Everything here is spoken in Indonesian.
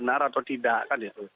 jangan benar atau tidak